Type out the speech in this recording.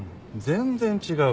全然違うよ。